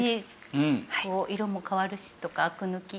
こう色も変わるしとかアク抜き。